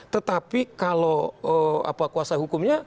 tetapi kalau eeem apa kuasa hukumnya